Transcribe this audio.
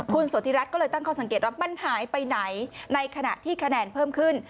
คุณสุธิรัฐก็เลยตั้งข้อสังเกตว่ามันหายไปไหนในขณะที่คะแนนเพิ่มขึ้น